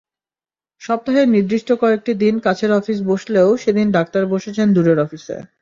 সপ্তাহের নির্দিষ্ট কয়েকটি দিন কাছের অফিসে বসলেও সেদিন ডাক্তার বসেছেন দূরের অফিসে।